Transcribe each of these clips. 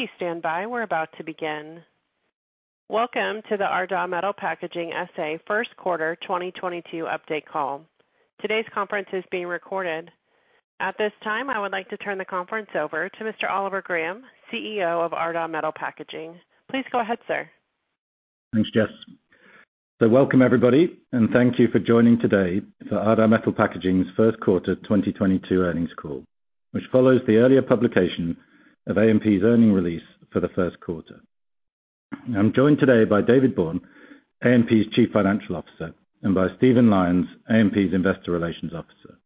Please stand by. We're about to begin. Welcome to the Ardagh Metal Packaging S.A. Q1 2022 update call. Today's conference is being recorded. At this time, I would like to turn the conference over to Mr. Oliver Graham, Chief Executive Officer of Ardagh Metal Packaging. Please go ahead, sir. Thanks, Jess. Welcome, everybody, and thank you for joining today for Ardagh Metal Packaging's Q1 2022 earnings call, which follows the earlier publication of AMP's earnings release for the Q1. I'm joined today by David Bourne, AMP's Chief Financial Officer, and by Stephen Lyons, AMP's Investor Relations Officer.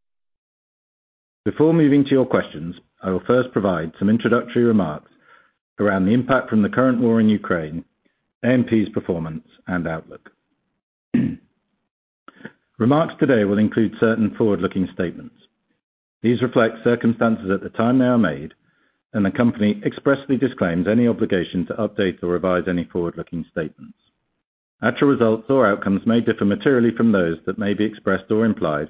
Before moving to your questions, I will first provide some introductory remarks around the impact from the current war in Ukraine, AMP's performance, and outlook. Remarks today will include certain forward-looking statements. These reflect circumstances at the time they are made, and the company expressly disclaims any obligation to update or revise any forward-looking statements. Actual results or outcomes may differ materially from those that may be expressed or implied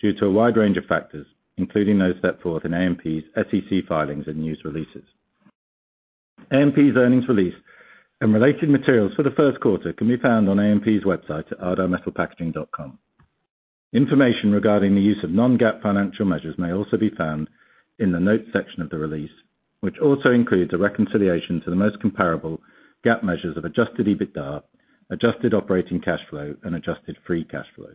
due to a wide range of factors, including those set forth in AMP's SEC filings and news releases. AMP's earnings release and related materials for the Q1 can be found on AMP's website at ardaghmetalpackaging.com. Information regarding the use of non-GAAP financial measures may also be found in the notes section of the release, which also includes a reconciliation to the most comparable GAAP measures of adjusted EBITDA, adjusted operating cash flow, and adjusted free cash flow.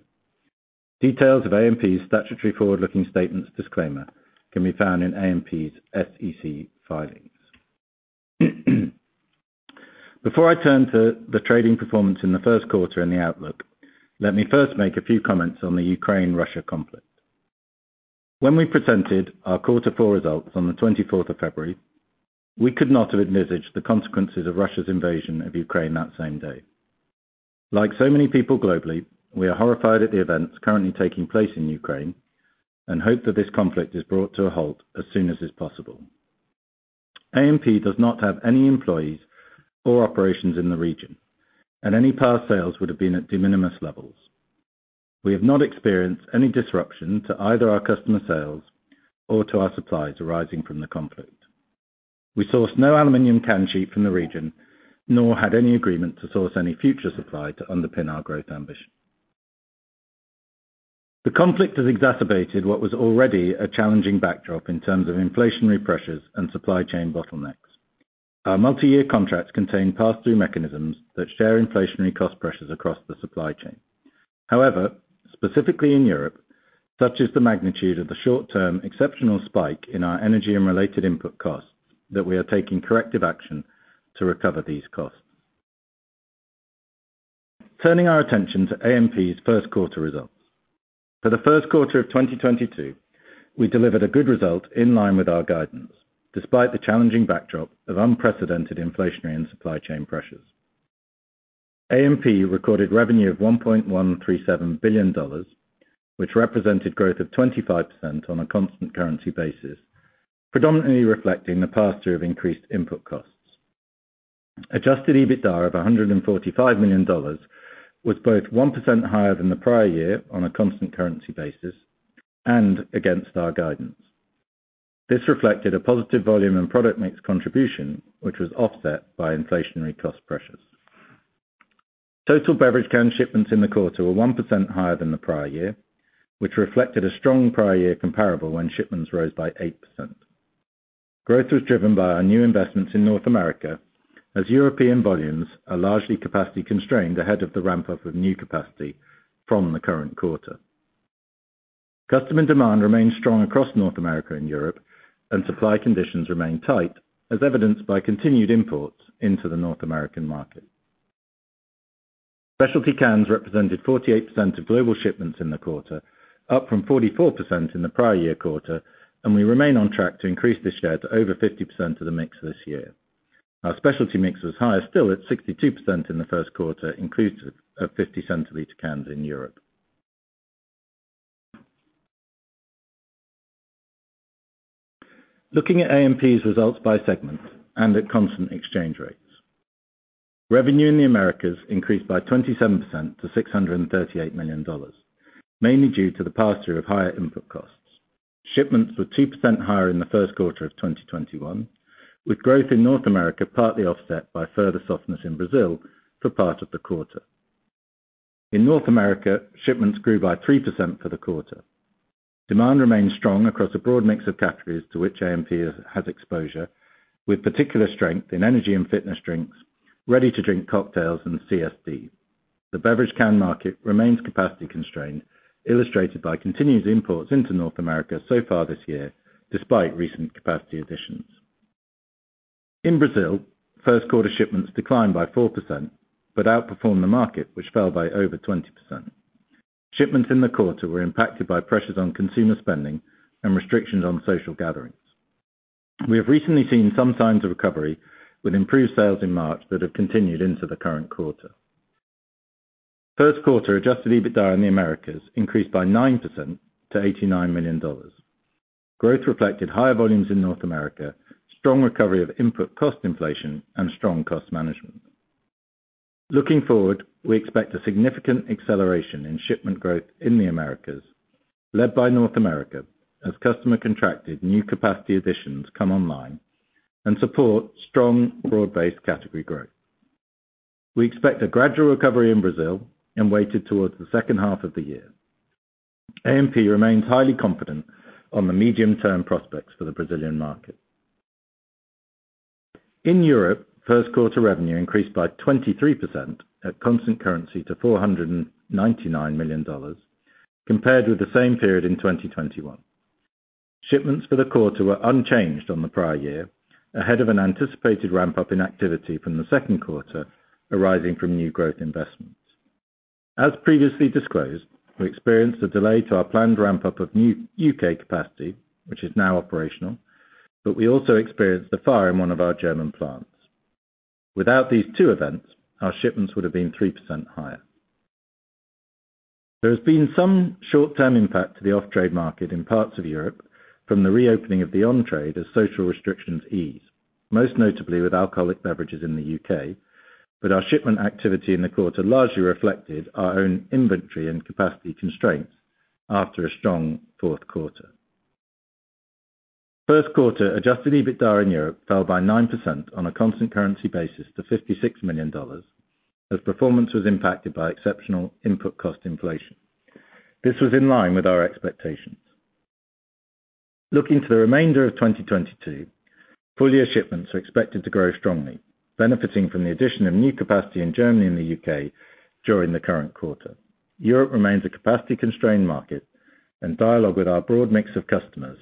Details of AMP's statutory forward-looking statements disclaimer can be found in AMP's SEC filings. Before I turn to the trading performance in the Q1 and the outlook, let me first make a few comments on the Ukraine-Russia conflict. When we presented our quarter four results on the February 24, we could not have envisaged the consequences of Russia's invasion of Ukraine that same day. Like so many people globally, we are horrified at the events currently taking place in Ukraine and hope that this conflict is brought to a halt as soon as is possible. AMP does not have any employees or operations in the region, and any past sales would have been at de minimis levels. We have not experienced any disruption to either our customer sales or to our suppliers arising from the conflict. We source no aluminum can sheet from the region, nor had any agreement to source any future supply to underpin our growth ambition. The conflict has exacerbated what was already a challenging backdrop in terms of inflationary pressures and supply chain bottlenecks. Our multi-year contracts contain pass-through mechanisms that share inflationary cost pressures across the supply chain. However, specifically in Europe, such is the magnitude of the short term exceptional spike in our energy and related input costs that we are taking corrective action to recover these costs. Turning our attention to AMP's Q1 results. For the Q1 of 2022, we delivered a good result in line with our guidance, despite the challenging backdrop of unprecedented inflationary and supply chain pressures. AMP recorded revenue of $1.137 billion, which represented growth of 25% on a constant currency basis, predominantly reflecting the pass-through of increased input costs. Adjusted EBITDA of $145 million was both 1% higher than the prior year on a constant currency basis and against our guidance. This reflected a positive volume and product mix contribution, which was offset by inflationary cost pressures. Total beverage can shipments in the quarter were 1% higher than the prior year, which reflected a strong prior year comparable when shipments rose by 8%. Growth was driven by our new investments in North America as European volumes are largely capacity constrained ahead of the ramp up of new capacity from the current quarter. Customer demand remains strong across North America and Europe, and supply conditions remain tight, as evidenced by continued imports into the North American market. Specialty cans represented 48% of global shipments in the quarter, up from 44% in the prior year quarter, and we remain on track to increase this share to over 50% of the mix this year. Our specialty mix was higher still at 62% in the Q1, inclusive of 50 cl cans in Europe. Looking at AMP's results by segment and at constant exchange rates. Revenue in the Americas increased by 27% to $638 million, mainly due to the pass-through of higher input costs. Shipments were 2% higher in the Q1 of 2021, with growth in North America partly offset by further softness in Brazil for part of the quarter. In North America, shipments grew by 3% for the quarter. Demand remains strong across a broad mix of categories to which AMP has exposure, with particular strength in energy and fitness drinks, ready-to-drink cocktails, and CSD. The beverage can market remains capacity constrained, illustrated by continuous imports into North America so far this year, despite recent capacity additions. In Brazil, Q1 shipments declined by 4%, but outperformed the market, which fell by over 20%. Shipments in the quarter were impacted by pressures on consumer spending and restrictions on social gatherings. We have recently seen some signs of recovery with improved sales in March that have continued into the current quarter. Q1 adjusted EBITDA in the Americas increased by 9% to $89 million. Growth reflected higher volumes in North America, strong recovery from input cost inflation, and strong cost management. Looking forward, we expect a significant acceleration in shipment growth in the Americas, led by North America, as customer contracted new capacity additions come online and support strong broad-based category growth. We expect a gradual recovery in Brazil and weighted towards the second half of the year. AMP remains highly confident on the medium-term prospects for the Brazilian market. In Europe, Q1 revenue increased by 23% at constant currency to $499 million, compared with the same period in 2021. Shipments for the quarter were unchanged on the prior year, ahead of an anticipated ramp-up in activity from the Q2 arising from new growth investments. As previously disclosed, we experienced a delay to our planned ramp-up of new U.K. capacity, which is now operational, but we also experienced a fire in one of our German plants. Without these two events, our shipments would have been 3% higher. There has been some short-term impact to the off-trade market in parts of Europe from the reopening of the on-trade as social restrictions ease, most notably with alcoholic beverages in the U.K., but our shipment activity in the quarter largely reflected our own inventory and capacity constraints after a strong Q4. Q1 adjusted EBITDA in Europe fell by 9% on a constant currency basis to $56 million as performance was impacted by exceptional input cost inflation. This was in line with our expectations. Looking to the remainder of 2022, full year shipments are expected to grow strongly, benefiting from the addition of new capacity in Germany and the U.K. during the current quarter. Europe remains a capacity constrained market and dialogue with our broad mix of customers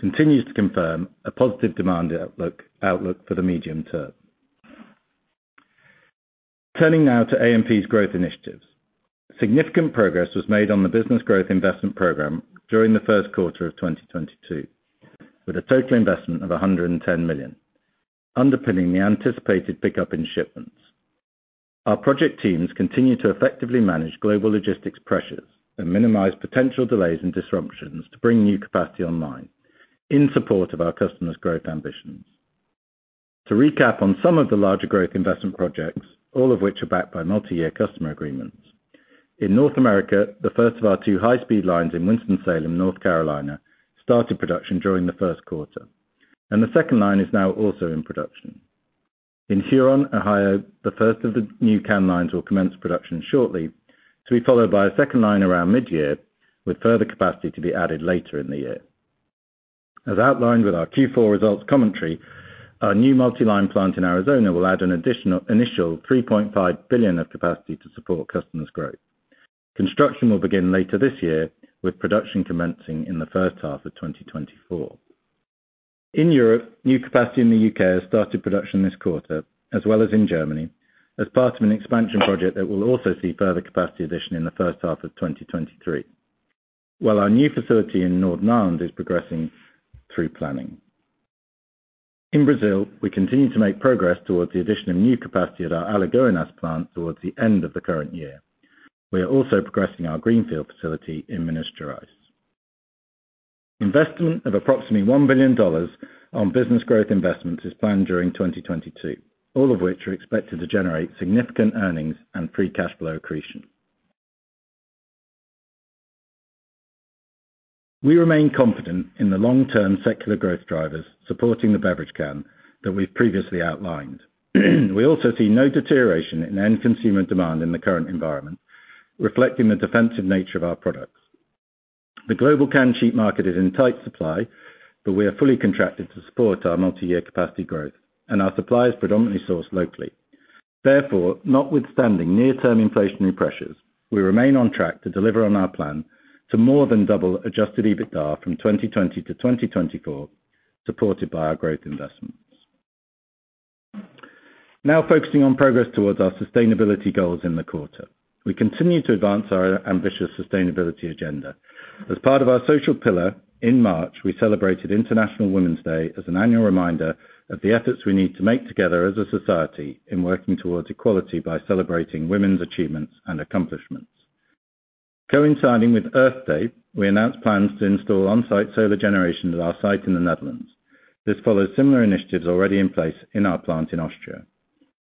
continues to confirm a positive demand outlook for the medium term. Turning now to AMP's growth initiatives. Significant progress was made on the business growth investment program during the Q1 of 2022, with a total investment of $110 million, underpinning the anticipated pickup in shipments. Our project teams continue to effectively manage global logistics pressures and minimize potential delays and disruptions to bring new capacity online in support of our customers' growth ambitions. To recap on some of the larger growth investment projects, all of which are backed by multi-year customer agreements. In North America, the first of our two high-speed lines in Winston-Salem, North Carolina, started production during the Q1. The second line is now also in production. In Huron, Ohio, the first of the new can lines will commence production shortly to be followed by a second line around mid-year, with further capacity to be added later in the year. As outlined with our Q4 results commentary, our new multi-line plant in Arizona will add an additional initial 3.5 billion of capacity to support customers' growth. Construction will begin later this year, with production commencing in the first half of 2024. In Europe, new capacity in the U.K. has started production this quarter, as well as in Germany, as part of an expansion project that will also see further capacity addition in the first half of 2023, while our new facility in Northern Ireland is progressing through planning. In Brazil, we continue to make progress towards the addition of new capacity at our Alagoinhas plant towards the end of the current year. We are also progressing our greenfield facility in Minas Gerais. Investment of approximately $1 billion on business growth investments is planned during 2022, all of which are expected to generate significant earnings and free cash flow accretion. We remain confident in the long-term secular growth drivers supporting the beverage can that we've previously outlined. We also see no deterioration in end consumer demand in the current environment, reflecting the defensive nature of our products. The global can sheet market is in tight supply, but we are fully contracted to support our multi-year capacity growth and our supply is predominantly sourced locally. Therefore, notwithstanding near-term inflationary pressures, we remain on track to deliver on our plan to more than double adjusted EBITDA from 2020 to 2024, supported by our growth investments. Now focusing on progress towards our sustainability goals in the quarter. We continue to advance our ambitious sustainability agenda. As part of our social pillar, in March, we celebrated International Women's Day as an annual reminder of the efforts we need to make together as a society in working towards equality by celebrating women's achievements and accomplishments. Coinciding with Earth Day, we announced plans to install on-site solar generation at our site in the Netherlands. This follows similar initiatives already in place in our plant in Austria.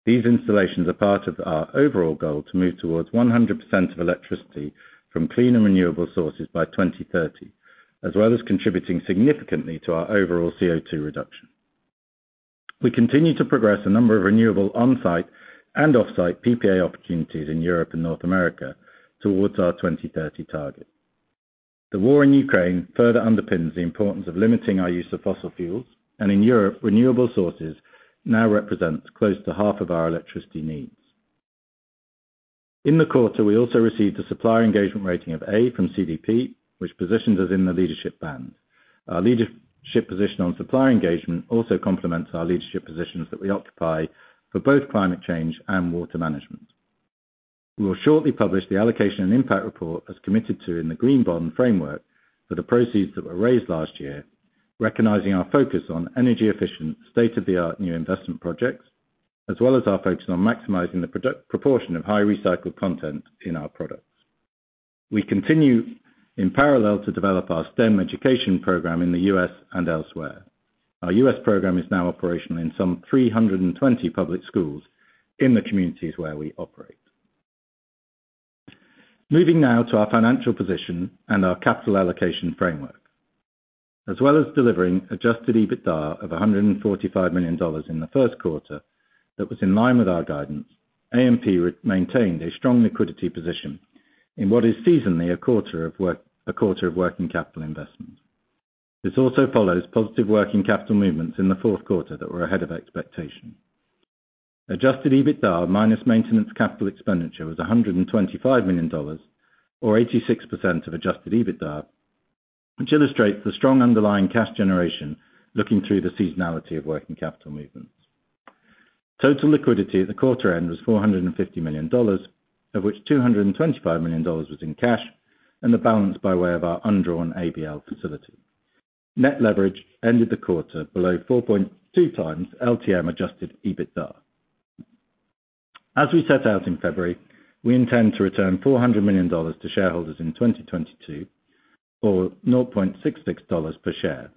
These installations are part of our overall goal to move towards 100% of electricity from clean and renewable sources by 2030, as well as contributing significantly to our overall CO2 reduction. We continue to progress a number of renewable on-site and off-site PPA opportunities in Europe and North America towards our 2030 target. The war in Ukraine further underpins the importance of limiting our use of fossil fuels, and in Europe, renewable sources now represent close to half of our electricity needs. In the quarter, we also received a supplier engagement rating of A from CDP, which positions us in the leadership band. Our leadership position on supplier engagement also complements our leadership positions that we occupy for both climate change and water management. We will shortly publish the allocation and impact report as committed to in the Green Bond Framework for the proceeds that were raised last year, recognizing our focus on energy efficient state-of-the-art new investment projects. As well as our focus on maximizing the product proportion of high recycled content in our products. We continue in parallel to develop our STEM education program in the U.S. and elsewhere. Our U.S. program is now operational in some 320 public schools in the communities where we operate. Moving now to our financial position and our capital allocation framework. As well as delivering adjusted EBITDA of $145 million in the Q1 that was in line with our guidance, AMP maintained a strong liquidity position in what is seasonally a quarter of working capital investment. This also follows positive working capital movements in the Q4 that were ahead of expectation. Adjusted EBITDA minus maintenance capital expenditure was $125 million, or 86% of adjusted EBITDA, which illustrates the strong underlying cash generation looking through the seasonality of working capital movements. Total liquidity at the quarter end was $450 million, of which $225 million was in cash and the balance by way of our undrawn ABL facility. Net leverage ended the quarter below 4.2x LTM adjusted EBITDA. As we set out in February, we intend to return $400 million to shareholders in 2022, or $0.66 per share.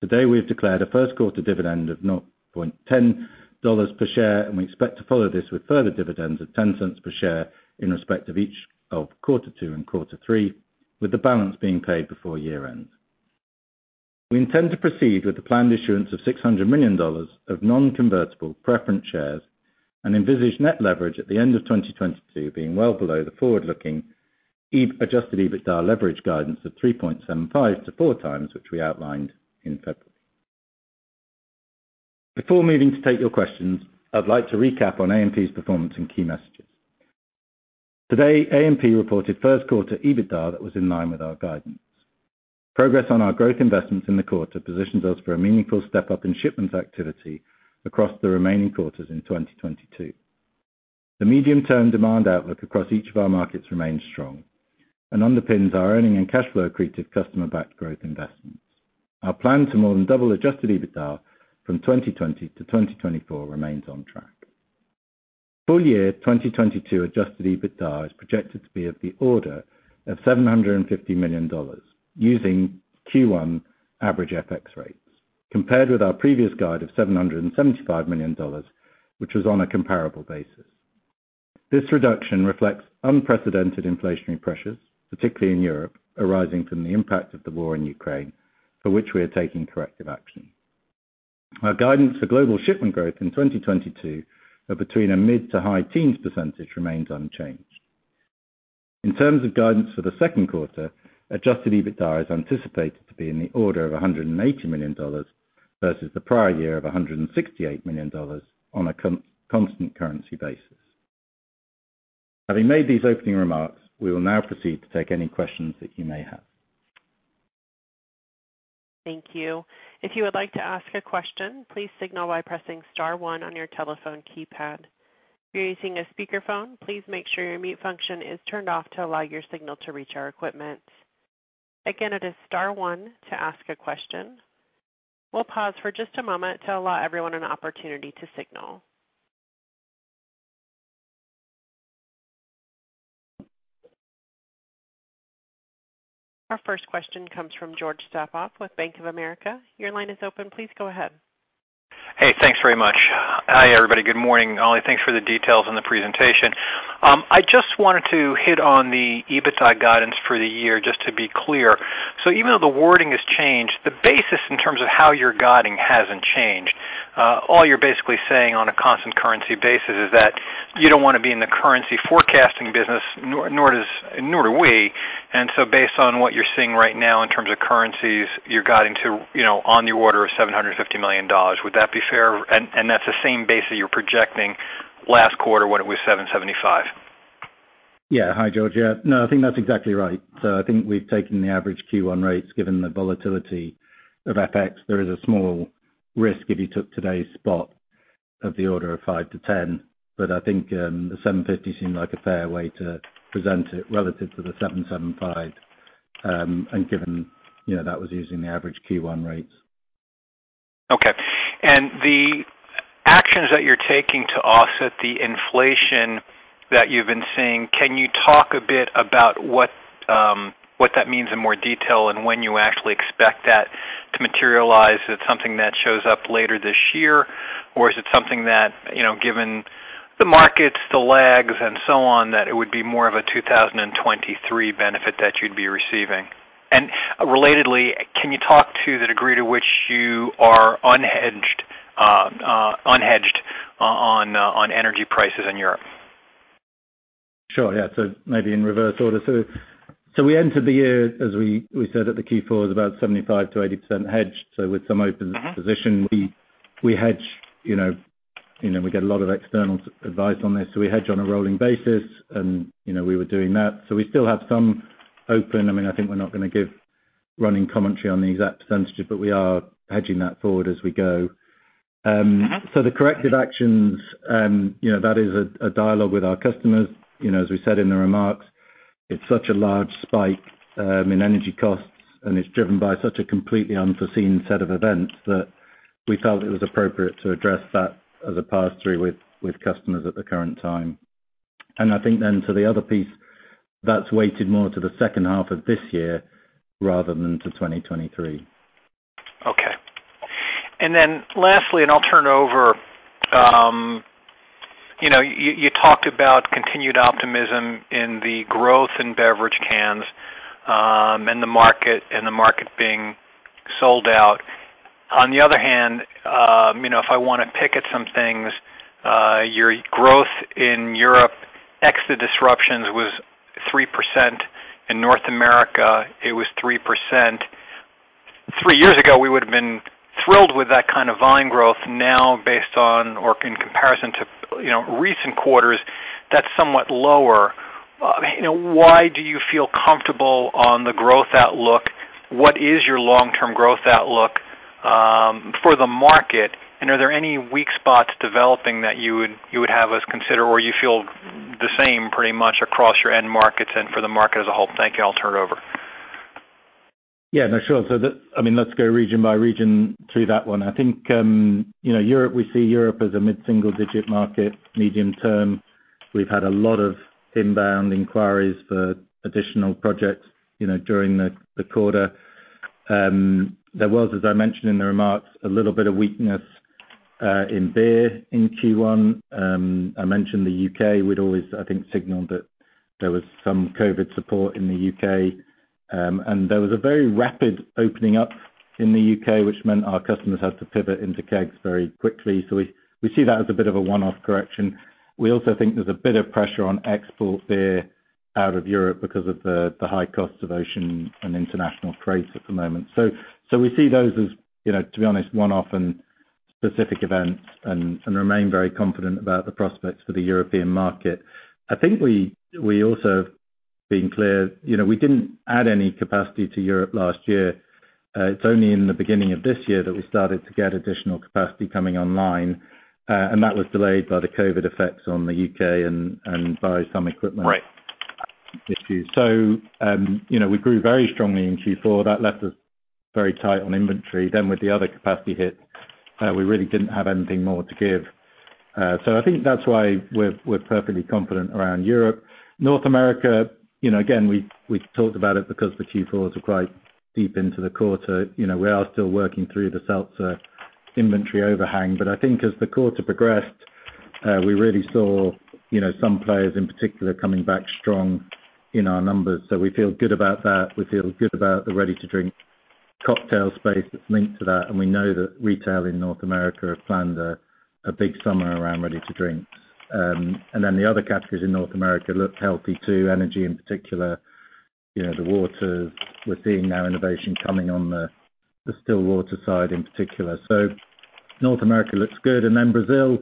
Today, we have declared a Q1 dividend of $0.10 per share, and we expect to follow this with further dividends of $0.10 per share in respect of each of quarter 2 and quarter 3, with the balance being paid before year-end. We intend to proceed with the planned issuance of $600 million of non-convertible preference shares and envisage net leverage at the end of 2022 being well below the forward-looking adjusted EBITDA leverage guidance of 3.75x-4x which we outlined in February. Before moving to take your questions, I'd like to recap on AMP's performance and key messages. Today, AMP reported Q1 EBITDA that was in line with our guidance. Progress on our growth investments in the quarter positions us for a meaningful step-up in shipments activity across the remaining quarters in 2022. The medium-term demand outlook across each of our markets remains strong and underpins our earning and cash flow accretive customer-backed growth investments. Our plan to more than double adjusted EBITDA from 2020 to 2024 remains on track. Full year 2022 adjusted EBITDA is projected to be of the order of $750 million using Q1 average FX rates, compared with our previous guide of $775 million, which was on a comparable basis. This reduction reflects unprecedented inflationary pressures, particularly in Europe, arising from the impact of the war in Ukraine, for which we are taking corrective action. Our guidance for global shipment growth in 2022 of between a mid- to high-teens % remains unchanged. In terms of guidance for the Q2, adjusted EBITDA is anticipated to be in the order of $180 million versus the prior year of $168 million on a constant currency basis. Having made these opening remarks, we will now proceed to take any questions that you may have. Thank you. If you would like to ask a question, please signal by pressing star one on your telephone keypad. If you're using a speakerphone, please make sure your mute function is turned off to allow your signal to reach our equipment. Again, it is star one to ask a question. We'll pause for just a moment to allow everyone an opportunity to signal. Our first question comes from George Staphos with Bank of America. Your line is open. Please go ahead. Hey, thanks very much. Hi, everybody. Good morning. Oli, thanks for the details on the presentation. I just wanted to hit on the EBITDA guidance for the year just to be clear. Even though the wording has changed, the basis in terms of how you're guiding hasn't changed. All you're basically saying on a constant currency basis is that you don't wanna be in the currency forecasting business, nor do we. Based on what you're seeing right now in terms of currencies, you're guiding to, you know, on the order of $750 million. Would that be fair? That's the same base that you're projecting last quarter when it was $775. Hi, George. I think that's exactly right. I think we've taken the average Q1 rates given the volatility of FX. There is a small risk if you took today's spot of the order of five-10, but I think the 7.50 seemed like a fair way to present it relative to the 7.75, and given, you know, that was using the average Q1 rates. Okay. The actions that you're taking to offset the inflation that you've been seeing, can you talk a bit about what that means in more detail and when you actually expect that to materialize? Is it something that shows up later this year? Or is it something that, you know, given the markets, the lags, and so on, that it would be more of a 2023 benefit that you'd be receiving? And relatedly, can you talk to the degree to which you are unhedged on energy prices in Europe? Sure, yeah. Maybe in reverse order. We entered the year, as we said at the Q4, was about 75%-80% hedged. With some open position, we hedge, you know. You know, we get a lot of external such advice on this, so we hedge on a rolling basis and, you know, we were doing that. We still have some open. I mean, I think we're not gonna give running commentary on the exact percentage, but we are hedging that forward as we go. The corrective actions, you know, that is a dialogue with our customers, you know, as we said in the remarks. It's such a large spike in energy costs, and it's driven by such a completely unforeseen set of events, that we felt it was appropriate to address that as a pass-through with customers at the current time. I think then to the other piece, that's weighted more to the second half of this year rather than to 2023. Okay. Then lastly, I'll turn over. You know, you talked about continued optimism in the growth in beverage cans, and the market being sold out. On the other hand, you know, if I wanna pick at some things, your growth in Europe ex the disruptions was 3%. In North America, it was 3%. Three years ago, we would've been thrilled with that kind of volume growth. Now, based on or in comparison to, you know, recent quarters, that's somewhat lower. You know, why do you feel comfortable on the growth outlook? What is your long-term growth outlook, for the market? Are there any weak spots developing that you would have us consider, or you feel the same pretty much across your end markets and for the market as a whole? Thank you. I'll turn over. Yeah, no, sure. I mean, let's go region by region through that one. I think, you know, Europe, we see Europe as a mid-single-digit market medium term. We've had a lot of inbound inquiries for additional projects, you know, during the quarter. There was, as I mentioned in the remarks, a little bit of weakness in beer in Q1. I mentioned the U.K. We'd always, I think, signaled that there was some COVID support in the U.K. There was a very rapid opening up in the U.K., which meant our customers had to pivot into kegs very quickly. We see that as a bit of a one-off correction. We also think there's a bit of pressure on export beer out of Europe because of the high costs of ocean and international trades at the moment. We see those as, you know, to be honest, one-off and specific events and remain very confident about the prospects for the European market. I think we also have been clear. You know, we didn't add any capacity to Europe last year. It's only in the beginning of this year that we started to get additional capacity coming online, and that was delayed by the COVID effects on the U.K. and by some equipment- Right. Issues. You know, we grew very strongly in Q4. That left us very tight on inventory. With the other capacity hit, we really didn't have anything more to give. I think that's why we're perfectly confident around Europe. North America, you know, again, we talked about it because the Q4 is quite deep into the quarter. You know, we are still working through the seltzer inventory overhang. I think as the quarter progressed, we really saw, you know, some players in particular coming back strong in our numbers. We feel good about that. We feel good about the ready-to-drink cocktail space that's linked to that, and we know that retail in North America have planned a big summer around ready-to-drink. The other categories in North America look healthy too. Energy in particular, you know, the waters. We're seeing now innovation coming on the still water side in particular. North America looks good. Brazil,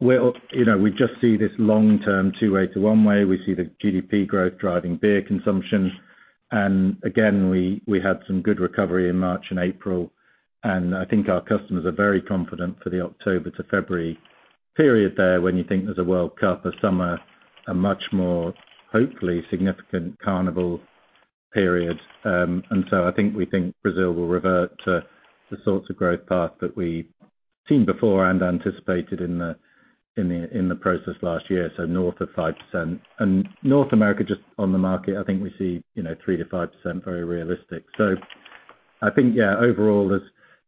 you know, we just see this long-term 281 way. We see the GDP growth driving beer consumption. We had some good recovery in March and April. I think our customers are very confident for the October to February period there, when you think there's a World Cup, a summer, a much more, hopefully, significant carnival period. I think we think Brazil will revert to the sorts of growth path that we've seen before and anticipated in the process last year, so north of 5%. North America, just on the market, I think we see, you know, 3%-5% very realistic. I think, yeah, overall there's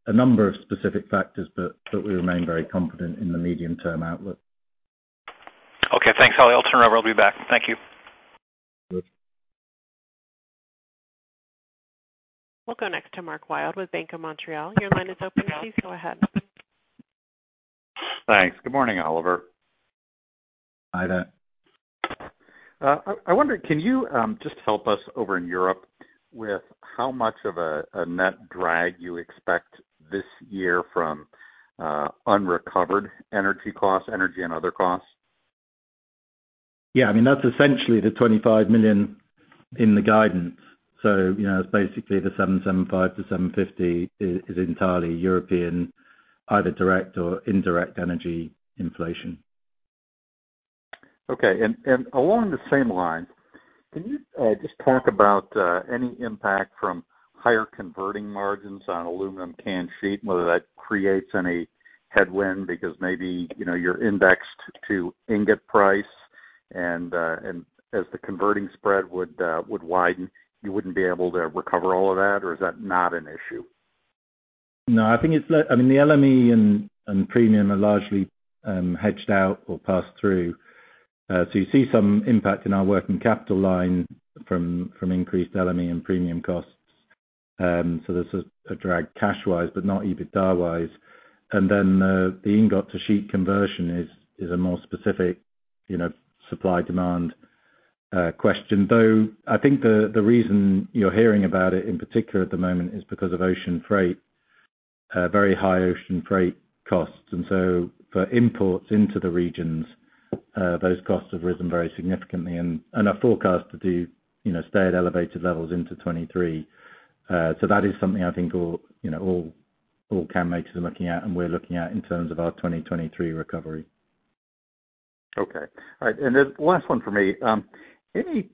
a number of specific factors, but we remain very confident in the medium-term outlook. Okay, thanks, Ollie. I'll turn over. I'll be back. Thank you. Good. We'll go next to Mark Wilde with Bank of Montreal. Your line is open. Please go ahead. Thanks. Good morning, Oliver. Hi there. I wonder, can you just help us over in Europe with how much of a net drag you expect this year from unrecovered energy costs, energy and other costs? Yeah. I mean, that's essentially the $25 million in the guidance. You know, it's basically the 7.75-7.50 is entirely European, either direct or indirect energy inflation. Okay. Along the same line, can you just talk about any impact from higher converting margins on aluminum can sheet, whether that creates any headwind because maybe, you know, you're indexed to ingot price and as the converting spread would widen, you wouldn't be able to recover all of that? Or is that not an issue? No, I think it's the LME and premium are largely hedged out or passed through. You see some impact in our working capital line from increased LME and premium costs. There's a drag cash-wise, but not EBITDA-wise. The ingot to sheet conversion is a more specific you know supply-demand question. Though, I think the reason you're hearing about it in particular at the moment is because of ocean freight, very high ocean freight costs. For imports into the regions, those costs have risen very significantly and are forecast to stay at elevated levels into 2023. That is something I think will you know all can makers are looking at and we're looking at in terms of our 2023 recovery. Okay. All right, last one for me. Any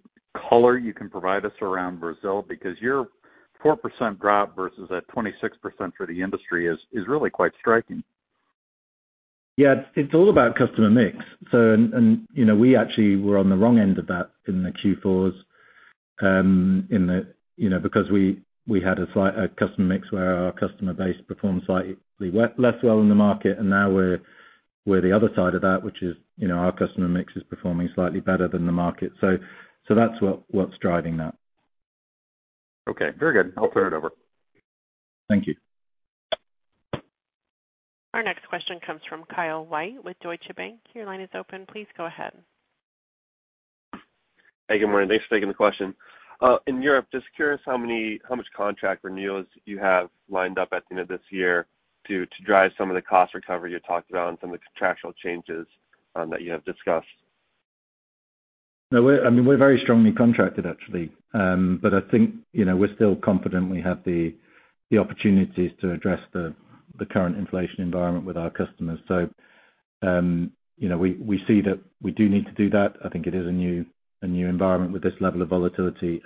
color you can provide us around Brazil because your 4% drop versus that 26% for the industry is really quite striking. Yeah. It's all about customer mix. You know, we actually were on the wrong end of that in the Q4s. You know, because we had a slight customer mix where our customer base performed slightly less well in the market, and now we're the other side of that, which is, you know, our customer mix is performing slightly better than the market. That's what's driving that. Okay, very good. I'll turn it over. Thank you. Our next question comes from Kyle White with Deutsche Bank. Your line is open. Please go ahead. Hey, good morning. Thanks for taking the question. In Europe, just curious how much contract renewals you have lined up at the end of this year to drive some of the cost recovery you talked about and some of the contractual changes that you have discussed. No, I mean, we're very strongly contracted actually. But I think, you know, we're still confident we have the opportunities to address the current inflation environment with our customers. You know, we see that we do need to do that. I think it is a new environment with this level of volatility,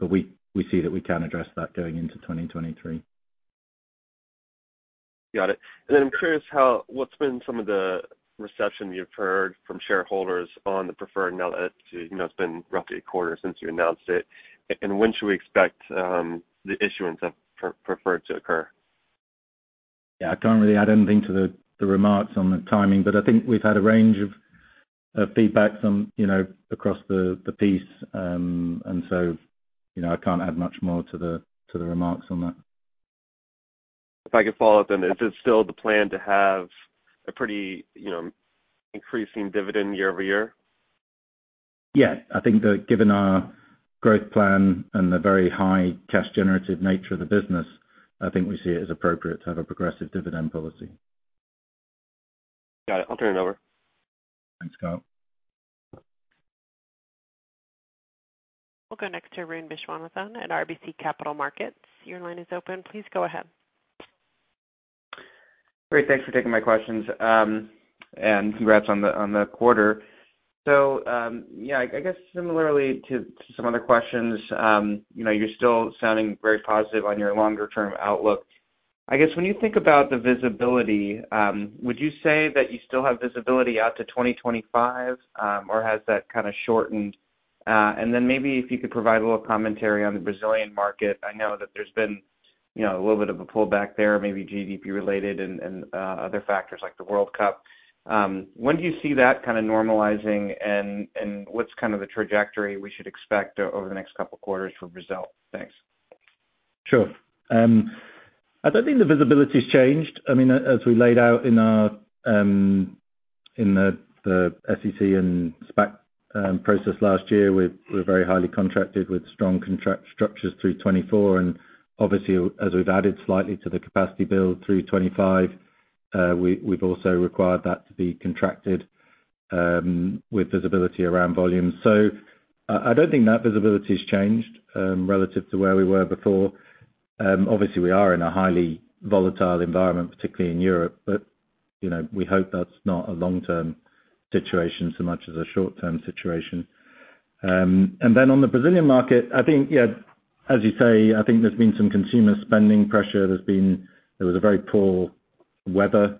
but we see that we can address that going into 2023. Got it. I'm curious what's been some of the reception you've heard from shareholders on the preferred now that, you know, it's been roughly a quarter since you announced it? When should we expect the issuance of preferred to occur? Yeah, I can't really add anything to the remarks on the timing, but I think we've had a range of feedback from, you know, across the piece. You know, I can't add much more to the remarks on that. If I could follow up then. Is it still the plan to have a pretty, you know, increasing dividend year over year? Yeah. I think that given our growth plan and the very high cash generative nature of the business, I think we see it as appropriate to have a progressive dividend policy. Got it. I'll turn it over. Thanks, Kyle. We'll go next to Arun Viswanathan at RBC Capital Markets. Your line is open. Please go ahead. Great. Thanks for taking my questions. And congrats on the quarter. Yeah, I guess similarly to some other questions, you know, you're still sounding very positive on your longer term outlook. I guess when you think about the visibility, would you say that you still have visibility out to 2025, or has that kind of shortened? And then maybe if you could provide a little commentary on the Brazilian market. I know that there's been, you know, a little bit of a pullback there, maybe GDP related and other factors like the World Cup. When do you see that kind of normalizing and what's kind of the trajectory we should expect over the next couple quarters for Brazil? Thanks. Sure. I don't think the visibility's changed. I mean, as we laid out in our SEC and SPAC process last year, we're very highly contracted with strong contract structures through 2024. Obviously, as we've added slightly to the capacity build through 2025, we've also required that to be contracted with visibility around volumes. I don't think that visibility's changed relative to where we were before. Obviously we are in a highly volatile environment, particularly in Europe, but you know, we hope that's not a long-term situation so much as a short-term situation. Then on the Brazilian market, I think, yeah, as you say, I think there's been some consumer spending pressure. There was very poor weather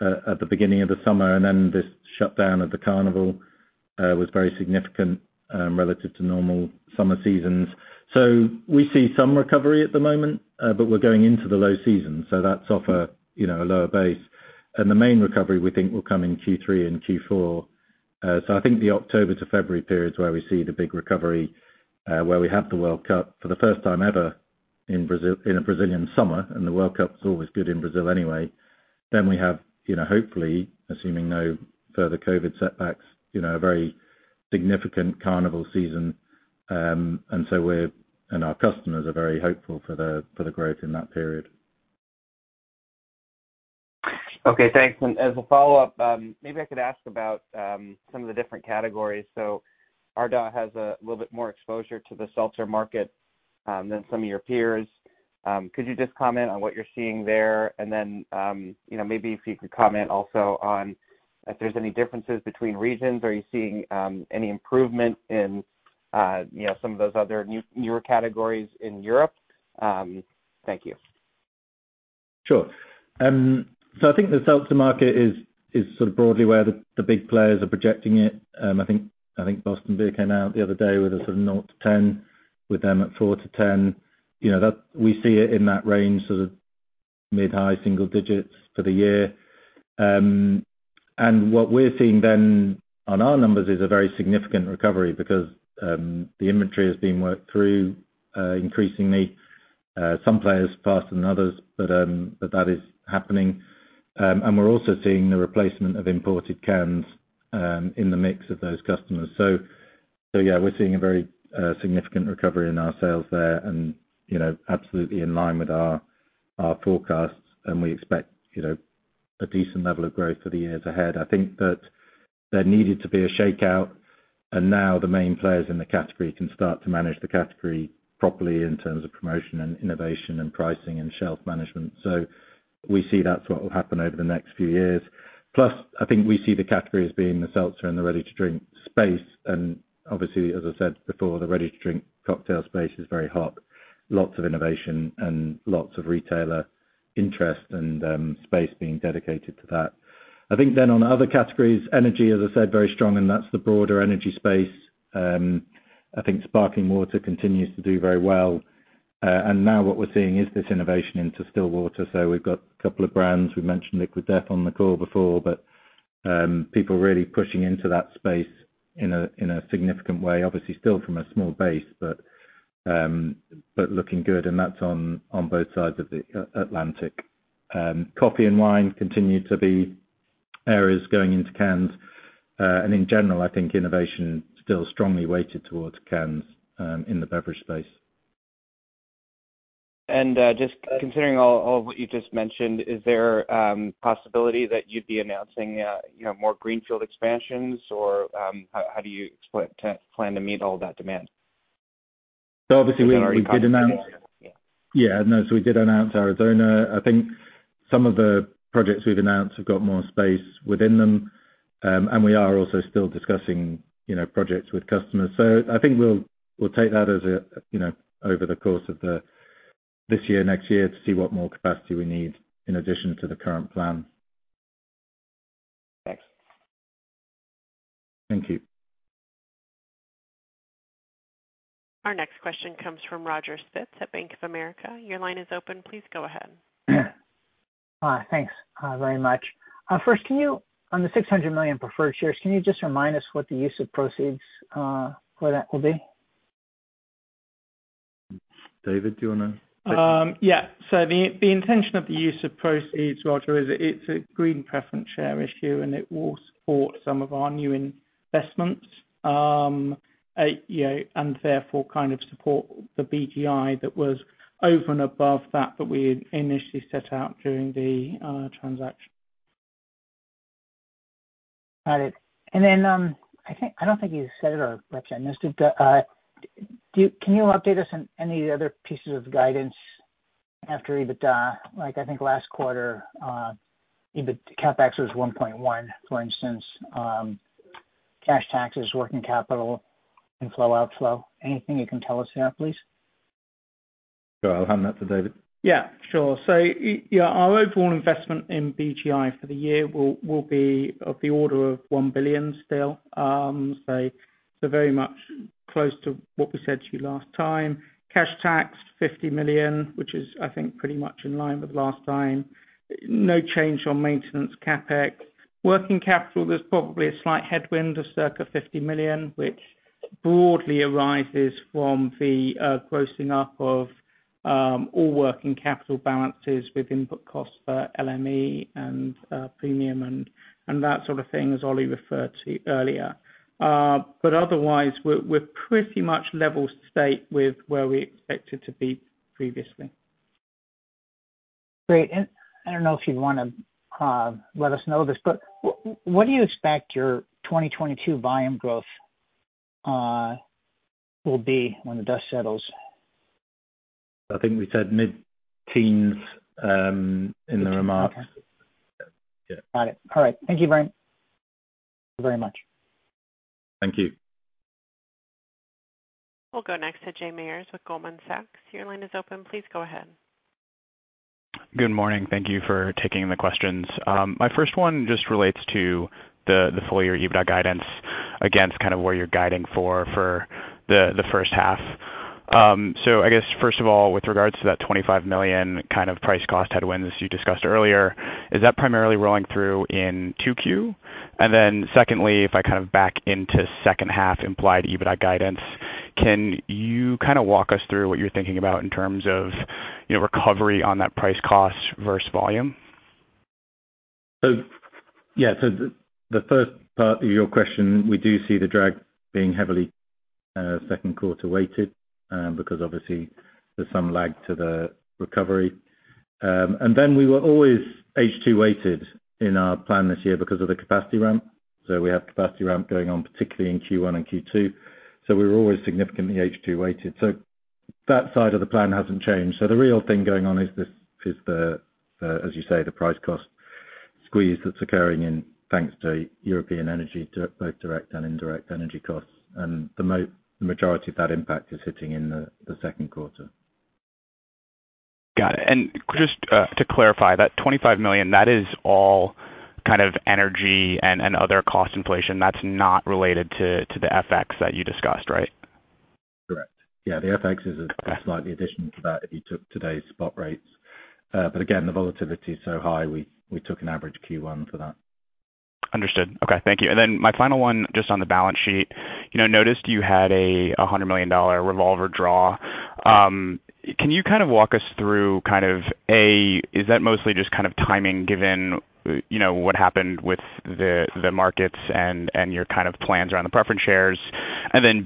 at the beginning of the summer, and then this shutdown of the carnival was very significant relative to normal summer seasons. We see some recovery at the moment, but we're going into the low season, so that's off a, you know, lower base. The main recovery we think will come in Q3 and Q4. I think the October to February period is where we see the big recovery, where we have the World Cup for the first time ever in Brazil, in a Brazilian summer, and the World Cup's always good in Brazil anyway. We have, you know, hopefully, assuming no further COVID setbacks, you know, a very significant carnival season. We're, and our customers are very hopeful for the growth in that period. Okay, thanks. As a follow-up, maybe I could ask about some of the different categories. Ardagh has a little bit more exposure to the seltzer market than some of your peers. Could you just comment on what you're seeing there? You know, maybe if you could comment also on if there's any differences between regions. Are you seeing any improvement in you know, some of those other newer categories in Europe? Thank you. Sure. I think the seltzer market is sort of broadly where the big players are projecting it. I think Boston Beer came out the other day with a sort of zero-10, with them at four-10. You know, that we see it in that range, sort of mid-high single digits for the year. What we're seeing then on our numbers is a very significant recovery because the inventory is being worked through increasingly, some players faster than others, but that is happening. We're also seeing the replacement of imported cans in the mix of those customers. Yeah, we're seeing a very significant recovery in our sales there and, you know, absolutely in line with our forecasts. We expect, you know, a decent level of growth for the years ahead. I think that there needed to be a shakeout, and now the main players in the category can start to manage the category properly in terms of promotion and innovation and pricing and shelf management. We see that's what will happen over the next few years. Plus, I think we see the category as being the seltzer and the ready-to-drink space. Obviously, as I said before, the ready-to-drink cocktail space is very hot. Lots of innovation and lots of retailer interest and space being dedicated to that. I think then on other categories, energy, as I said, very strong, and that's the broader energy space. I think sparkling water continues to do very well. And now what we're seeing is this innovation into still water. We've got a couple of brands. We've mentioned Liquid Death on the call before, but people really pushing into that space in a significant way, obviously still from a small base, but looking good, and that's on both sides of the Atlantic. Coffee and wine continue to be areas going into cans. In general, I think innovation still strongly weighted towards cans in the beverage space. Just considering all of what you just mentioned, is there possibility that you'd be announcing, you know, more greenfield expansions? Or, how do you plan to meet all that demand? Obviously we did announce Arizona. I think some of the projects we've announced have got more space within them. We are also still discussing, you know, projects with customers. I think we'll take that as a, you know, over the course of this year, next year to see what more capacity we need in addition to the current plan. Thanks. Thank you. Our next question comes from Roger Spitz at Bank of America. Your line is open. Please go ahead. Thanks, very much. On the $600 million preferred shares, can you just remind us what the use of proceeds for that will be? David, do you wanna take that? Yeah. The intention of the use of proceeds, Roger, is it's a green preference share issue, and it will support some of our new investments. You know, and therefore kind of support the BGI that was over and above that that we initially set out during the transaction. Got it. Then, I don't think you said it or mentioned this. Can you update us on any other pieces of guidance after EBITDA? Like, I think last quarter, CapEx was $1.1, for instance. Cash taxes, working capital, inflow, outflow. Anything you can tell us there, please? Sure. I'll hand that to David. Yeah, sure. Our overall investment in BGI for the year will be of the order of $1 billion still. Very much close to what we said to you last time. Cash tax, $50 million, which is, I think, pretty much in line with last time. No change on maintenance CapEx. Working capital, there's probably a slight headwind of circa $50 million, which broadly arises from the grossing up of all working capital balances with input costs for LME and premium and that sort of thing, as Ollie referred to earlier. Otherwise we're pretty much level state with where we expected to be previously. Great. I don't know if you'd wanna let us know this, but what do you expect your 2022 volume growth will be when the dust settles? I think we said mid-teens in the remarks. Okay. Yeah. Got it. All right. Thank you very much. Thank you. We'll go next to Jay Meyers with Goldman Sachs. Your line is open. Please go ahead. Good morning. Thank you for taking the questions. My first one just relates to the full year EBITDA guidance against kind of where you're guiding for the first half. So I guess first of all, with regards to that $25 million kind of price cost headwinds you discussed earlier, is that primarily rolling through in 2Q? And then secondly, if I kind of back into second half implied EBITDA guidance, can you kinda walk us through what you're thinking about in terms of, you know, recovery on that price cost versus volume? The first part of your question, we do see the drag being heavily Q2 weighted because obviously there's some lag to the recovery. We were always H2-weighted in our plan this year because of the capacity ramp. We have capacity ramp going on, particularly in Q1 and Q2. We were always significantly H2-weighted. That side of the plan hasn't changed. The real thing going on is this, as you say, the price-cost squeeze that's occurring thanks to European energy, both direct and indirect energy costs. The majority of that impact is hitting in the Q2. Got it. Just to clarify, that $25 million, that is all kind of energy and other cost inflation. That's not related to the FX that you discussed, right? Correct. Yeah, the FX is a slight addition to that if you took today's spot rates. Again, the volatility is so high, we took an average Q1 for that. Understood. Okay. Thank you. my final one, just on the balance sheet. You know, I noticed you had a $100 million revolver draw. Can you kind of walk us through kind of, A, is that mostly just kind of timing given, you know, what happened with the markets and your kind of plans around the preference shares?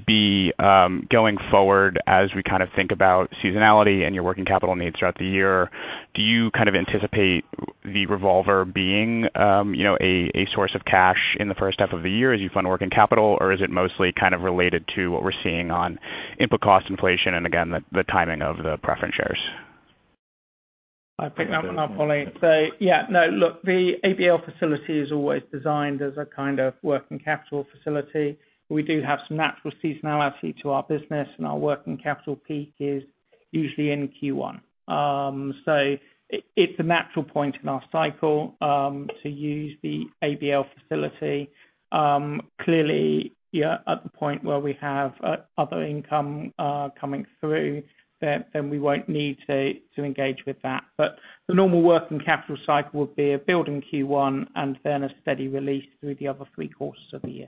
B, going forward, as we kind of think about seasonality and your working capital needs throughout the year, do you kind of anticipate the revolver being, you know, a source of cash in the first half of the year as you fund working capital? Or is it mostly kind of related to what we're seeing on input cost inflation and again, the timing of the preference shares? I'll pick up on that, Ollie. Yeah, no, look, the ABL facility is always designed as a kind of working capital facility. We do have some natural seasonality to our business, and our working capital peak is usually in Q1. It's a natural point in our cycle to use the ABL facility. Clearly, yeah, at the point where we have other income coming through, then we won't need to engage with that. But the normal working capital cycle would be a build in Q1 and then a steady release through the other three quarters of the year.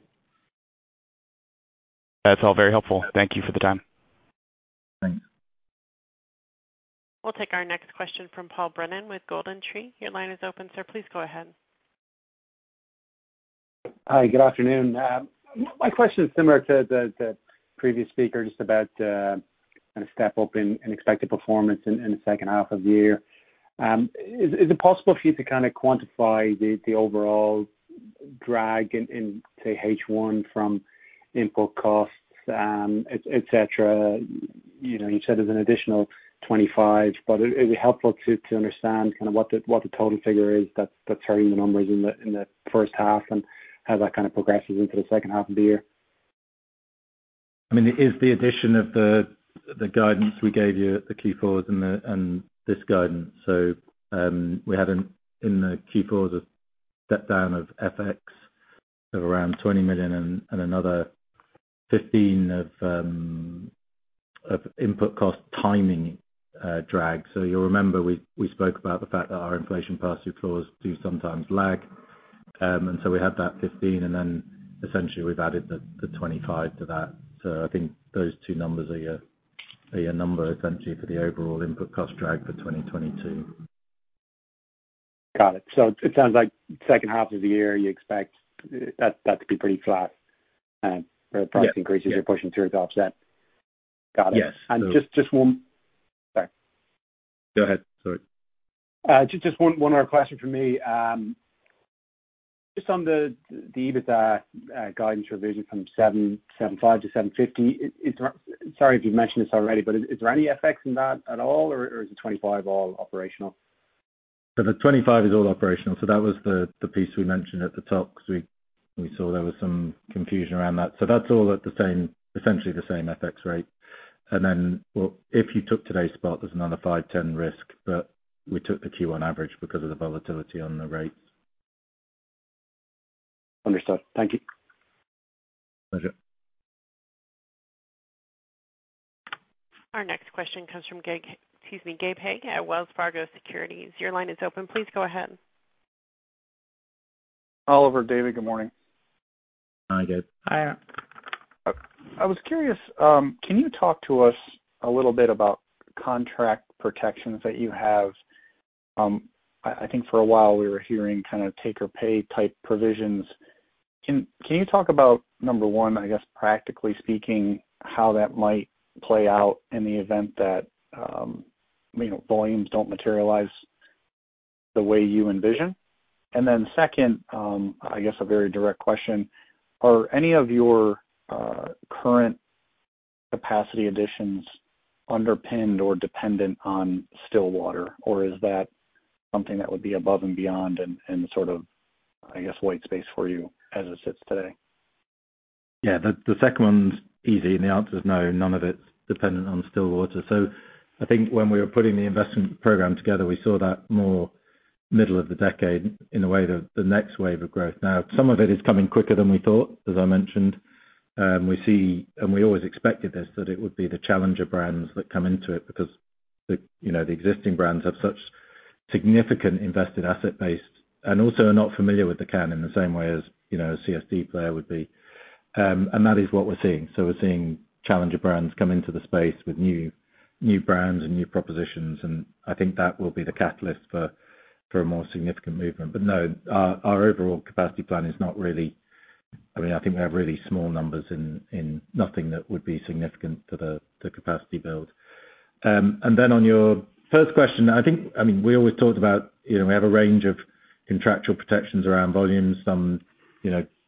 That's all very helpful. Thank you for the time. Thanks. We'll take our next question from Paul Brennan with GoldenTree. Your line is open, sir. Please go ahead. Hi, good afternoon. My question is similar to the previous speaker, just about kind of step-up and expected performance in the second half of the year. Is it possible for you to kind of quantify the overall drag in, say, H1 from input costs, etc.? You know, you said there's an additional $25 million, but it would be helpful to understand kind of what the total figure is that's hurting the numbers in the first half and how that kind of progresses into the second half of the year. I mean, it is the addition of the guidance we gave you at the Q4s and this guidance. We had in the Q4s a step down of FX of around $20 million and another $15 million of input cost timing drag. You'll remember we spoke about the fact that our inflation pass-through clause do sometimes lag. We had that $15 million, and then essentially we've added the $25 million to that. I think those two numbers are your number essentially for the overall input cost drag for 2022. Got it. It sounds like second half of the year you expect that to be pretty flat. Yeah. For the price increases you're pushing through to offset. Got it. Yes. Just one. Sorry. Go ahead, sorry. Just one other question from me. Just on the EBITDA guidance revision from $775 to $750. Sorry if you've mentioned this already, but is there any effects in that at all, or is the $25 all operational? The 25 is all operational. That was the piece we mentioned at the top because we saw there was some confusion around that. That's all at the same, essentially the same FX rate. Well, if you took today's spot, there's another $5-$10 risk, but we took the Q1 average because of the volatility on the rates. Understood. Thank you. Pleasure. Our next question comes from Gay, excuse me, Gabe Hajde at Wells Fargo Securities. Your line is open. Please go ahead. Oliver, David, good morning. Hi, Gabe. Hajde. I was curious, can you talk to us a little bit about contract protections that you have? I think for a while we were hearing kind of take or pay type provisions. Can you talk about number one, I guess practically speaking, how that might play out in the event that, you know, volumes don't materialize the way you envision? Then second, I guess a very direct question, are any of your current capacity additions underpinned or dependent on Stillwater, or is that something that would be above and beyond and sort of, I guess, white space for you as it sits today? Yeah. The second one's easy and the answer is no, none of it's dependent on still water. I think when we were putting the investment program together, we saw that more middle of the decade in a way, the next wave of growth. Now, some of it is coming quicker than we thought, as I mentioned. We see, and we always expected this, that it would be the challenger brands that come into it because, you know, the existing brands have such significant invested asset base and also are not familiar with the can in the same way as, you know, a CSD player would be. That is what we're seeing. We're seeing challenger brands come into the space with new brands and new propositions, and I think that will be the catalyst for a more significant movement. No, our overall capacity plan is not really. I mean, I think we have really small numbers in nothing that would be significant to the capacity build. On your first question, I think, I mean, we always talked about, you know, we have a range of contractual protections around volumes, some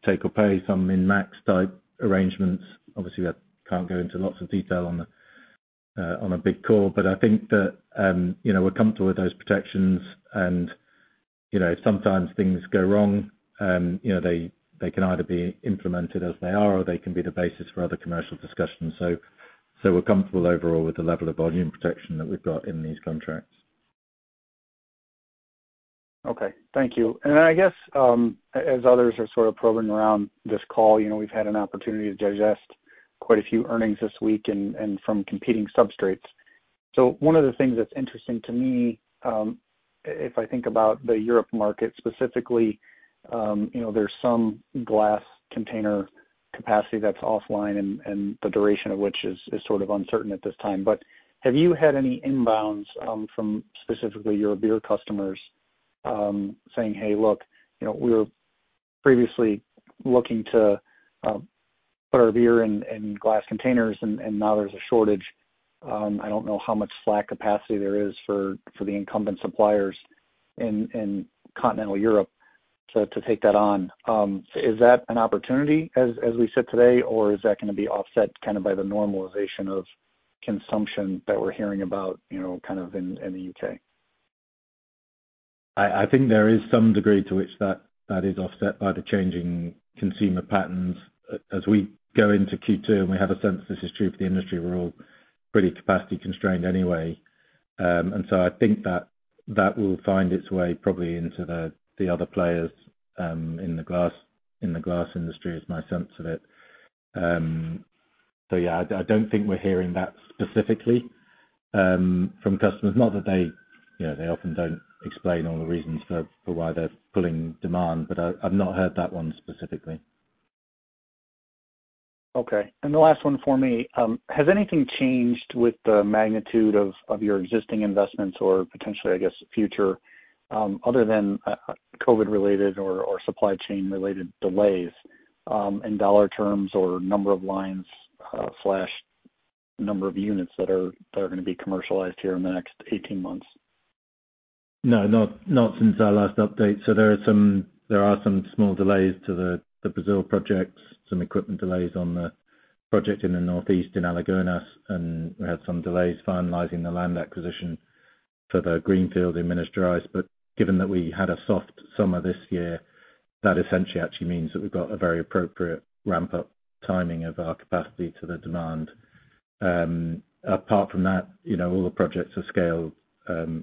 take or pay, some min-max type arrangements. Obviously, I can't go into lots of detail on a big call, but I think that you know, we're comfortable with those protections and, you know, sometimes things go wrong, you know, they can either be implemented as they are, or they can be the basis for other commercial discussions. We're comfortable overall with the level of volume protection that we've got in these contracts. Okay. Thank you. Then I guess, as others are sort of probing around this call, you know, we've had an opportunity to digest quite a few earnings this week and from competing substrates. One of the things that's interesting to me, if I think about the Europe market specifically, you know, there's some glass container capacity that's offline and the duration of which is sort of uncertain at this time. Have you had any inbounds from specifically your beer customers, saying, "Hey, look, you know, we were previously looking to put our beer in glass containers and now there's a shortage." I don't know how much slack capacity there is for the incumbent suppliers in continental Europe to take that on. Is that an opportunity as we sit today, or is that gonna be offset kind of by the normalization of consumption that we're hearing about, you know, kind of in the UK? I think there is some degree to which that is offset by the changing consumer patterns. As we go into Q2, and we have a sense this is true for the industry, we're all pretty capacity constrained anyway. I think that will find its way probably into the other players in the glass industry is my sense of it. Yeah, I don't think we're hearing that specifically from customers. Not that they, you know, they often don't explain all the reasons for why they're pulling demand, but I've not heard that one specifically. Okay. The last one for me, has anything changed with the magnitude of your existing investments or potentially, I guess, future, other than COVID related or supply chain related delays, in dollar terms or number of lines slash number of units that are gonna be commercialized here in the next 18 months? No, not since our last update. There are some small delays to the Brazil projects, some equipment delays on the project in the Northeast in Alagoinhas, and we had some delays finalizing the land acquisition for the greenfield in Minas Gerais. Given that we had a soft summer this year, that essentially actually means that we've got a very appropriate ramp up timing of our capacity to the demand. Apart from that, you know, all the projects are scaled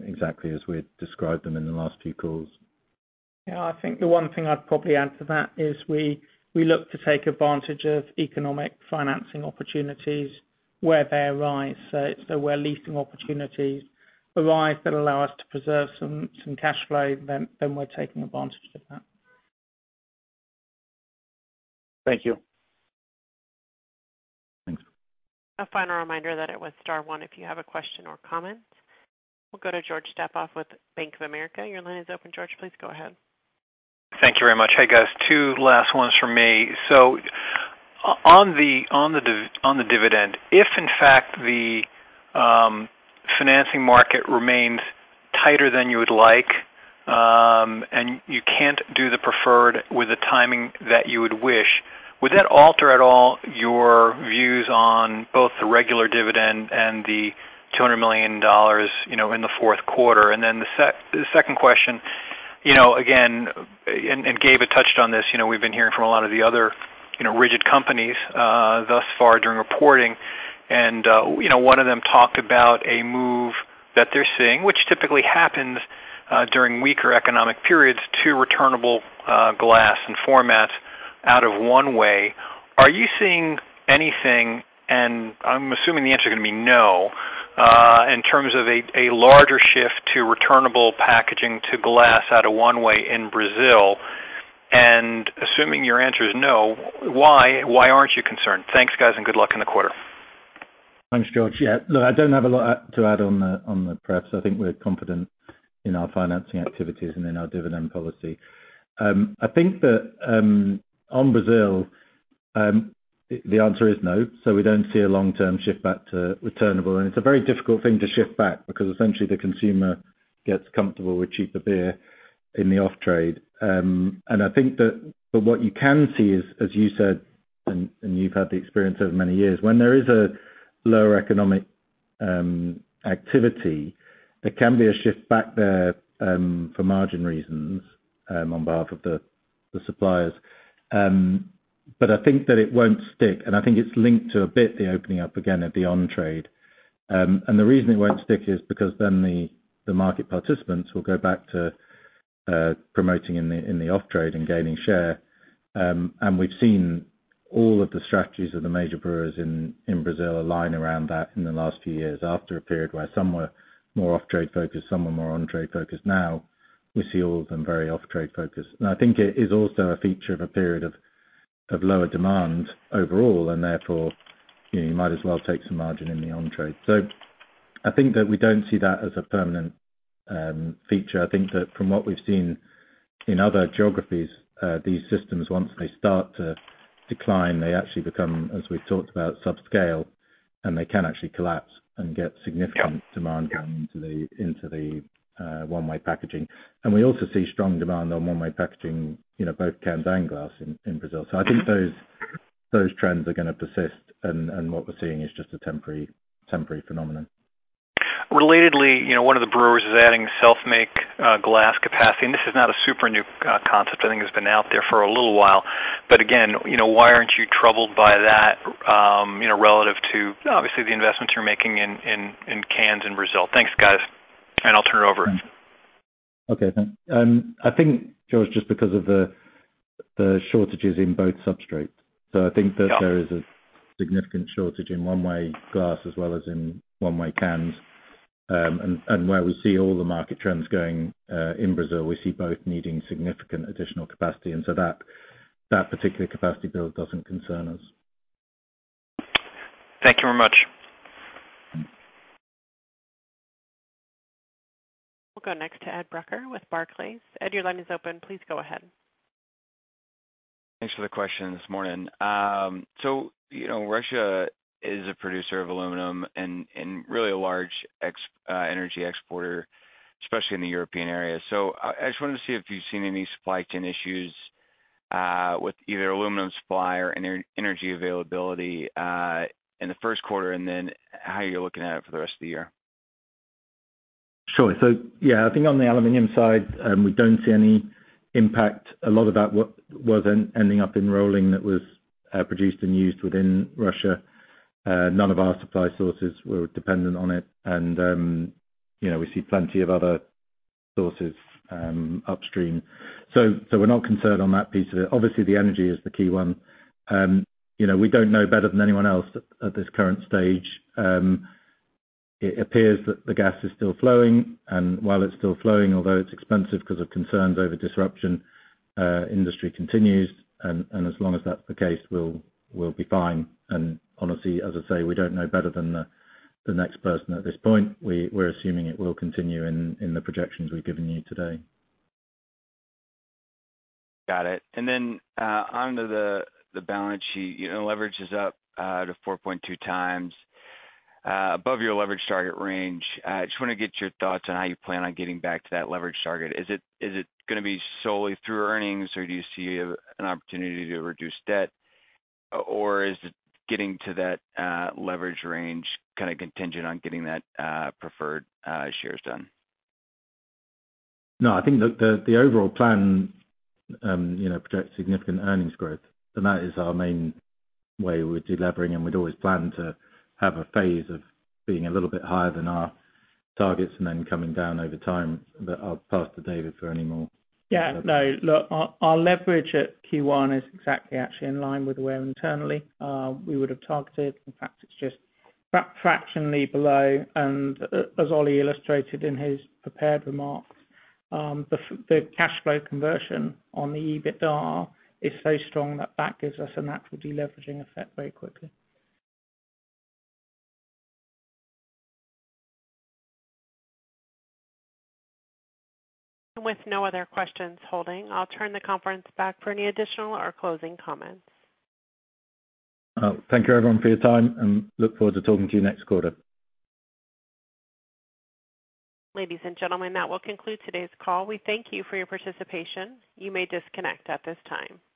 exactly as we had described them in the last few calls. Yeah. I think the one thing I'd probably add to that is we look to take advantage of economic financing opportunities where they arise. Where leasing opportunities arise that allow us to preserve some cash flow, then we're taking advantage of that. Thank you. Thanks. A final reminder that it was star one if you have a question or comment. We'll go to George Staphos with Bank of America. Your line is open, George. Please go ahead. Thank you very much. Hey, guys. Two last ones from me. On the dividend, if in fact the financing market remains tighter than you would like, and you can't do the preferred with the timing that you would wish, would that alter at all your views on both the regular dividend and the $200 million, you know, in the Q4? The second question, you know, again, Gabe had touched on this, you know, we've been hearing from a lot of the other, you know, rigid companies thus far during reporting. You know, one of them talked about a move that they're seeing, which typically happens during weaker economic periods to returnable glass and formats out of one-way. Are you seeing anything, and I'm assuming the answer is gonna be no in terms of a larger shift to returnable packaging to glass out of one way in Brazil? Assuming your answer is no, why aren't you concerned? Thanks, guys, and good luck in the quarter. Thanks, George. Yeah. Look, I don't have a lot to add on the prep. I think we're confident in our financing activities and in our dividend policy. I think that on Brazil the answer is no. We don't see a long-term shift back to returnable. It's a very difficult thing to shift back because essentially the consumer gets comfortable with cheaper beer in the off-trade. I think that but what you can see is, as you said, and you've had the experience over many years, when there is a lower economic activity, there can be a shift back there for margin reasons on behalf of the suppliers. I think that it won't stick, and I think it's linked a bit to the opening up again of the on-trade. The reason it won't stick is because then the market participants will go back to promoting in the off-trade and gaining share. We've seen all of the strategies of the major brewers in Brazil align around that in the last few years after a period where some were more off-trade focused, some were more on-trade focused. Now we see all of them very off-trade focused. I think it is also a feature of a period of lower demand overall, and therefore, you know, you might as well take some margin in the on-trade. I think that we don't see that as a permanent feature. I think that from what we've seen in other geographies, these systems, once they start to decline, they actually become, as we've talked about, subscale, and they can actually collapse and get significant demand going into the one-way packaging. We also see strong demand on one-way packaging, you know, both cans and glass in Brazil. I think those trends are gonna persist, and what we're seeing is just a temporary phenomenon. Relatedly, you know, one of the brewers is adding self-make glass capacity, and this is not a super new concept. I think it's been out there for a little while. But again, you know, why aren't you troubled by that, you know, relative to obviously the investments you're making in cans in Brazil? Thanks, guys. I'll turn it over. Okay, thanks. I think, George, just because of the shortages in both substrates. I think that there is a significant shortage in one-way glass as well as in one-way cans. And where we see all the market trends going in Brazil, we see both needing significant additional capacity. That particular capacity build doesn't concern us. Thank you very much. We'll go next to Edward Brucker with Barclays. Ed, your line is open. Please go ahead. Thanks for the question this morning. You know, Russia is a producer of aluminum and really a large energy exporter, especially in the European area. I just wanted to see if you've seen any supply chain issues with either aluminum supply or energy availability in the Q1, and then how you're looking at it for the rest of the year. Sure. Yeah, I think on the aluminum side, we don't see any impact. A lot of that was ending up in rolling that was produced and used within Russia. None of our supply sources were dependent on it and, you know, we see plenty of other sources, upstream. We're not concerned on that piece of it. Obviously, the energy is the key one. You know, we don't know better than anyone else at this current stage. It appears that the gas is still flowing, and while it's still flowing, although it's expensive 'cause of concerns over disruption, industry continues. As long as that's the case, we'll be fine. Honestly, as I say, we don't know better than the next person at this point. We're assuming it will continue in the projections we've given you today. Got it. Then, onto the balance sheet. You know, leverage is up to 4.2x above your leverage target range. Just wanna get your thoughts on how you plan on getting back to that leverage target. Is it gonna be solely through earnings, or do you see an opportunity to reduce debt? Or is it getting to that leverage range kinda contingent on getting that preferred shares done? No, I think the overall plan, you know, projects significant earnings growth, and that is our main way with delevering, and we'd always plan to have a phase of being a little bit higher than our targets and then coming down over time. I'll pass to David for any more. Yeah, no, look, our leverage at Q1 is exactly actually in line with where internally we would have targeted. In fact, it's just fractionally below. As Ollie illustrated in his prepared remarks, the cash flow conversion on the EBITDA is so strong that that gives us a natural deleveraging effect very quickly. With no other questions holding, I'll turn the conference back for any additional or closing comments. Thank you everyone for your time, and I look forward to talking to you next quarter. Ladies and gentlemen, that will conclude today's call. We thank you for your participation. You may disconnect at this time.